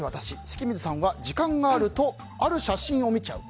関水さんは時間があるとある写真を見ちゃう。